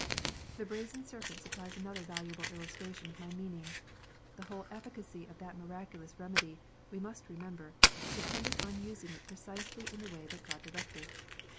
The brazen serpent supplies another valuable illustration of my meaning. The whole efficacy of that miraculous remedy, we must remember, depended on using it precisely in the way that God directed.